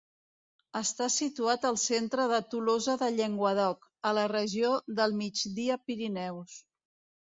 Està situat al centre de Tolosa de Llenguadoc, a la regió del Migdia-Pirineus.